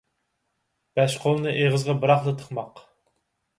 بەش قولنى ئېغىزغا بىراقلا تىقماق